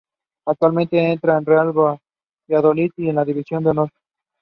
So that he understands what he’s done after he regains consciousness.